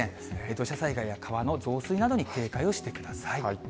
土砂災害や川の増水などに警戒をしてください。